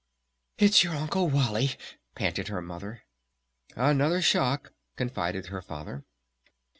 "It's your Uncle Wally!" panted her Mother. "Another shock!" confided her Father.